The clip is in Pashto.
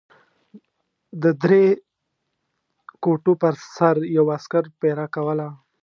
د درې کوټو پر سر یو عسکر پېره کوله.